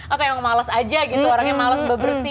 atau yang males aja gitu orang yang males bebersih